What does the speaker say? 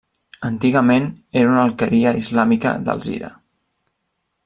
Antigament era una alqueria islàmica d'Alzira.